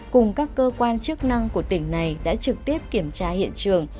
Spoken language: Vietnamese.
cùng các cơ quan chức năng của tỉnh này đã trực tiếp kiểm tra hiện trường